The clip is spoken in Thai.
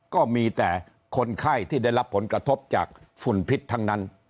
ก็มีแต่คนไข้ที่ได้รับผลกระทบจากฝุ่นพิษทั้งนั้น